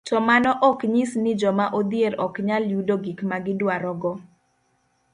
To mano ok nyis ni joma odhier ok nyal yudo gik ma gidwarogo.